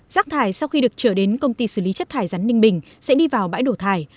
rác thải sau khi được trở đến công ty xử lý chất thải rắn ninh bình sẽ đi vào bãi đổ thải